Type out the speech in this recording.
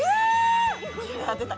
出た！